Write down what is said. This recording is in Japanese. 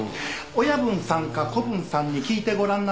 親分さんか子分さんに聞いてごらんなさい。